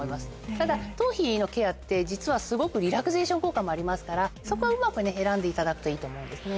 ただ頭皮のケアって実はすごくリラクゼーション効果もありますからそこはうまく選んでいただくといいと思うんですね。